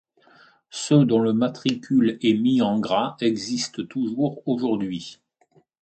Ceux dont le matricule est mis en gras existent toujours aujourd'hui.